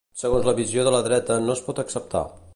Segons la visió de la dreta no es pot acceptar.